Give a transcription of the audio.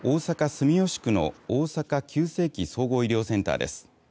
住吉区の大阪急性期・総合医療センターです。